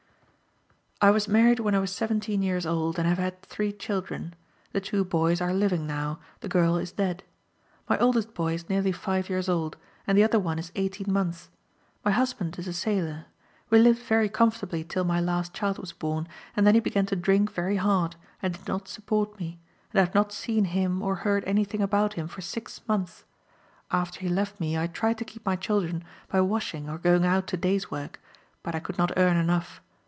"I was married when I was seventeen years old, and have had three children. The two boys are living now; the girl is dead. My oldest boy is nearly five years old, and the other one is eighteen months. My husband is a sailor. We lived very comfortably till my last child was born, and then he began to drink very hard, and did not support me, and I have not seen him or heard any thing about him for six months. After he left me I tried to keep my children by washing or going out to day's work, but I could not earn enough.